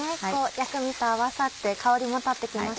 薬味と合わさって香りも立って来ました。